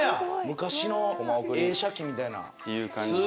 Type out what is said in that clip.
昔の映写機みたいな。っていう感じで。